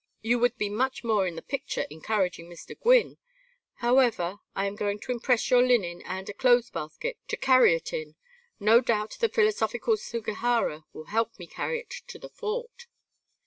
You would be much more in the picture encouraging Mr. Gwynne. However I am going to impress your linen and a clothes basket to carry it in. No doubt the philosophical Sugihara will help me carry it to the fort."